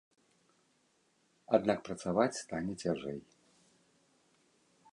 Аднак працаваць стане цяжэй.